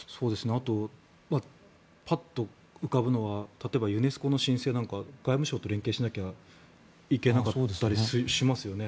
あと、パッと浮かぶのは例えば、ユネスコの申請なんかは外務省と連携しなきゃいけなかったりしますよね。